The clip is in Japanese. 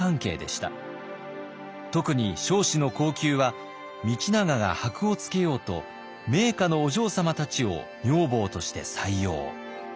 特に彰子の後宮は道長がはくをつけようと名家のお嬢様たちを女房として採用。